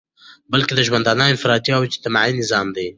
بلكي دژوندانه انفرادي او اجتماعي نظام دى